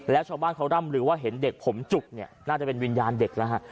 แล้วชาวบ้านเขาร่ำลือว่าเห็นเด็กผมจุกเนี่ยน่าจะเป็นวิญญาณเด็กแล้วฮะ